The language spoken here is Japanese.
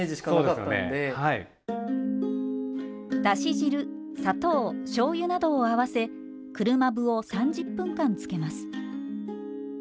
だし汁砂糖しょうゆなどを合わせ車麩を３０分間つけます。